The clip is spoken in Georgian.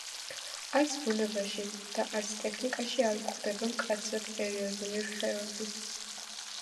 არც ბუნებაში და არც ტექნიკაში არ გვხვდება მკაცრად პერიოდული რხევები.